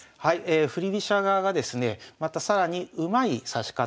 振り飛車側がですねまた更にうまい指し方を見せます。